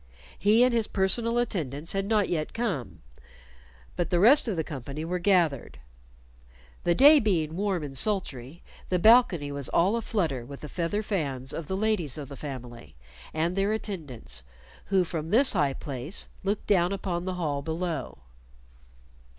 He and his personal attendants had not yet come, but the rest of the company were gathered. The day being warm and sultry, the balcony was all aflutter with the feather fans of the ladies of the family and their attendants, who from this high place looked down upon the hall below.